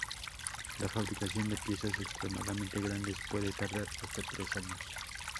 La fabricación de piezas extremadamente grandes puede tardar hasta tres años.